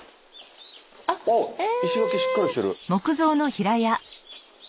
あ石垣しっかりしてる。